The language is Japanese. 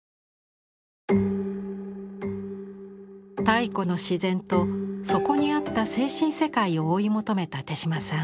太古の自然とそこにあった精神世界を追い求めた手島さん。